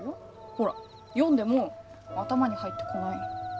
ほら読んでも頭に入ってこないの。